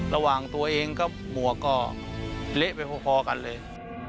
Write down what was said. ระหว่างตัวเองกับหมวกก็เละไปพอกันเลย